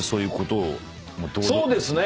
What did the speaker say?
そうですね。